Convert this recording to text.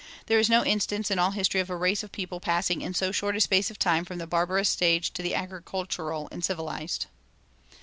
There is no instance in all history of a race of people passing in so short a space of time from the barbarous stage to the agricultural and civilized."